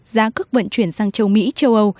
giá cước vận chuyển sang châu mỹ châu âu